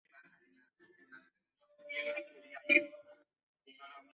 Por esto, se formó una fosa y no una cordillera.